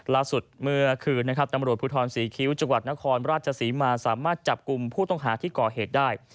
ล่าสุดเมื่อคืนนะครับตำรวจภูทรศรีคิ้วจังหวัดนครราชศรีมาสามารถจับกลุ่มผู้ต้องหาที่ก่อเหตุได้